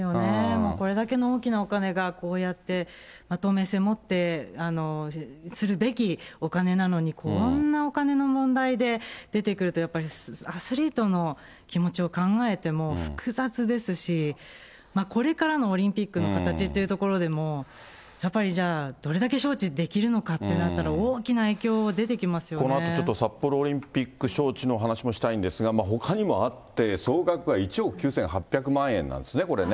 もうこれだけの大きなお金がこうやって透明性もって、するべきお金なのに、こんなお金の問題で出てくると、やっぱりアスリートの気持ちを考えても複雑ですし、これからのオリンピックの形っていうところでも、やっぱりじゃあ、どれだけ招致できるのかってなったら、このあと、ちょっと札幌オリンピック招致の話もしたいんですが、ほかにもあって、総額が１億９８００万円なんですね、これね。